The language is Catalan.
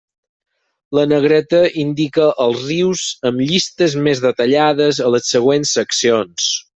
La negreta indica els rius amb llistes més detallades a les següents seccions.